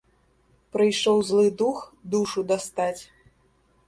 Прыйшоў злы дух душу дастаць.